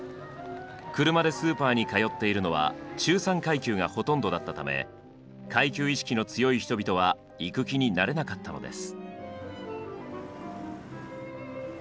車でスーパーに通っているのは中産階級がほとんどだったため階級意識の強い人々は行く気になれなかったのです。